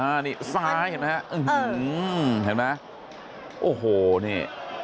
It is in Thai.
อันนี้ซ้ายเห็นไหมฮะอื้อหือเห็นไหมโอ้โหนี่